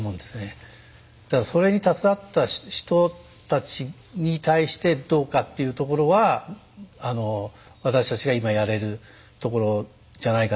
ただそれに携わった人たちに対してどうかっていうところは私たちが今やれるところじゃないかなと思うし。